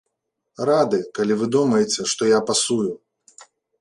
Рады, калі вы думаеце, што я пасую!